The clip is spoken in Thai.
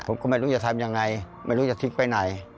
ผมก็ไม่รู้จะทำยังไงไม่รู้จะทิ้งไปไหน